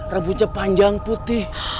rebunca panjang putih